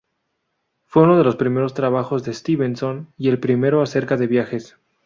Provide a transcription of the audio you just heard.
Fue uno de los primeros trabajos de Stevenson y el primero acerca de viajes.